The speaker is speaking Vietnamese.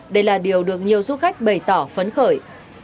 đây là điều được nhiều du khách bày tỏ phấn khởi